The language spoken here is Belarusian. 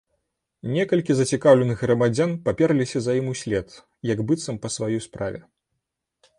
Некалькі зацікаўленых грамадзян паперліся за ім услед, як быццам па сваёй справе.